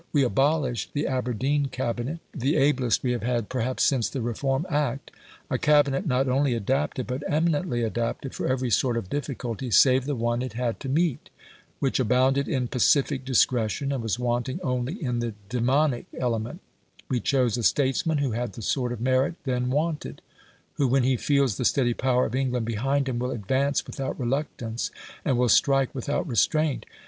We abolished the Aberdeen Cabinet, the ablest we have had, perhaps, since the Reform Act a Cabinet not only adapted, but eminently adapted, for every sort of difficulty save the one it had to meet which abounded in pacific discretion, and was wanting only in the "daemonic element"; we chose a statesman, who had the sort of merit then wanted, who, when he feels the steady power of England behind him, will advance without reluctance, and will strike without restraint.